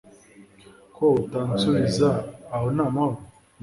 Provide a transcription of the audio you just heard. ko utansubiza aho ni amahoro